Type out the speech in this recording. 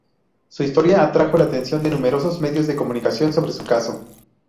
Su historia atrajo la atención de numerosos medios de comunicación sobre su caso.